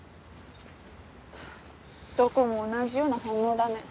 どこも同じような反応だね。